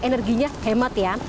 energinya hemat ya